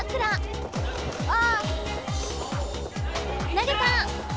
投げた！